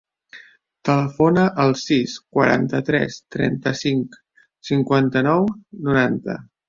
Telefona al sis, quaranta-tres, trenta-cinc, cinquanta-nou, noranta.